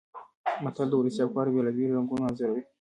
متل د ولسي افکارو بېلابېل رنګونه انځوروي